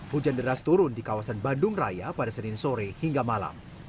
hujan deras turun di kawasan bandung raya pada senin sore hingga malam